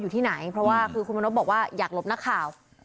อยากหลบนักข่าว